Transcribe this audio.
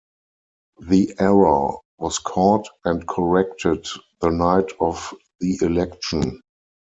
The error was caught and corrected the night of the election.